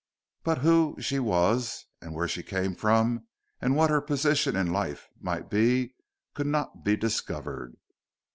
But who she was and where she came from, and what her position in life might be could not be discovered.